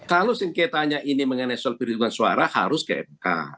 kalau sengketanya ini mengenai soal perhitungan suara harus ke mk